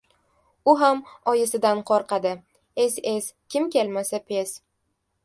— U ham oyisidan qo‘rqadi. Es-es, kim kelmasa pes!